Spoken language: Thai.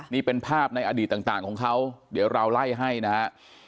นี่เป็นภาพในอดีตต่างของเขาเดี๋ยวเราไล่ให้นะฮะ